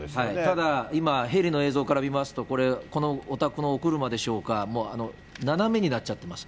ただ、今、ヘリの映像から見ますと、これ、このお宅のお車でしょうか、もう斜めになっちゃってます。